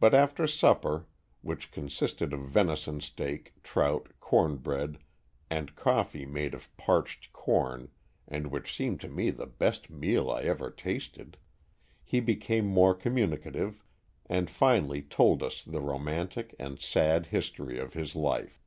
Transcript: But after supper (which consisted of venison steak, trout, cornbread and coffee made of parched corn and which seemed to me the best meal I ever tasted) he became more communicative and finally told us the romantic and sad history of his life.